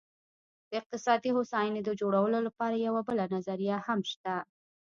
د اقتصادي هوساینې د جوړولو لپاره یوه بله نظریه هم شته.